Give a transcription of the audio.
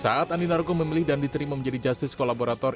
saat andi narogo memilih dan diterima menjadi justice kolaborator